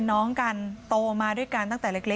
พี่น้องของผู้เสียหายแล้วเสร็จแล้วมีการของผู้เสียหาย